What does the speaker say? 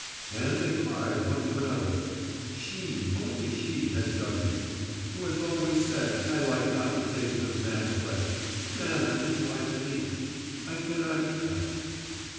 And they cried one to another, 'She, only she, has done this, who has always said, I like not the taste of man flesh; men are too like me: I cannot eat them.'